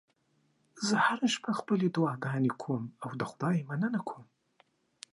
زه هره شپه خپلې دعاګانې کوم او د خدای مننه کوم